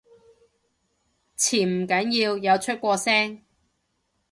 潛唔緊要，有出過聲